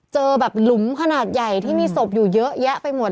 เจอแบบหลุมขนาดใหญ่ที่มีศพอยู่เยอะแยะไปหมด